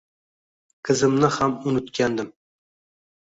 Qizimni ham unutgandim